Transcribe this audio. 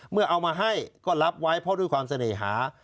เอามาให้ก็รับไว้เพราะด้วยความเสน่หา